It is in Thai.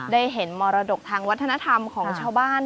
ได้เห็นมรดกทางวัฒนธรรมของชาวบ้าน